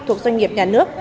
thuộc doanh nghiệp nhà nước